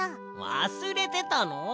わすれてたの？